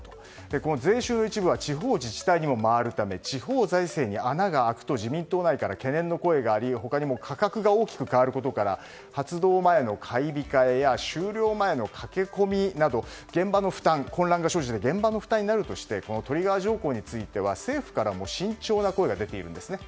この税収の一部は地方自治体にも回るため地方財政に穴が開くとの声があり他にも価格が大きく変わることから発動前の買い控えや終了前の駆け込みなど現場に負担・混乱が生じて現場の負担になるとしてトリガー条項については政府から慎重な声が出ているんです。